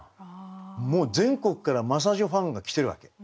もう全国から真砂女ファンが来てるわけ。